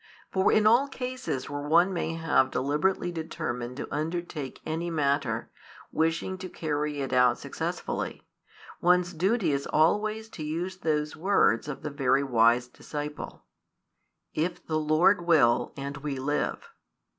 For in all cases where one may have deliberately determined to undertake any matter, wishing to carry it out successfully, one's duty is always to use those words of the very wise disciple: If the Lord will, and we live.